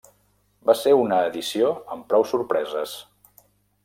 Va ser una edició amb prou sorpreses.